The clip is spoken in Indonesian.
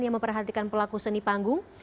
yang memperhatikan pelaku seni panggung